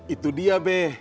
itu dia be